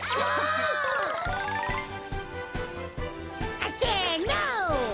あっせの！